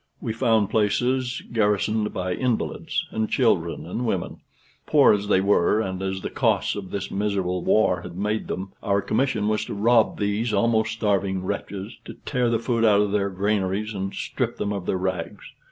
We found places garrisoned by invalids, and children and women; poor as they were, and as the costs of this miserable war had made them, our commission was to rob these almost starving wretches to tear the food out of their granaries, and strip them of their rags.